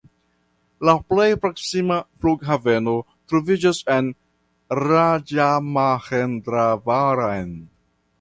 La plej proksima flughaveno troviĝas en Raĝamahendravaram.